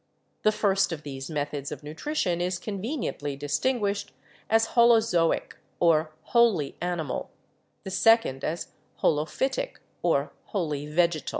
The first of these methods of nutrition is conveniently distinguished as holo zoic, or wholly animal, the second as holophytic, or wholly vegetal.